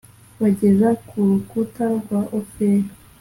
Bageza ku rukuta rwa Ofeli